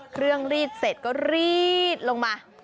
เครื่องรีดเสร็จก็รีดลงมา